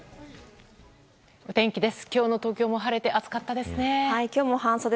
お天気です。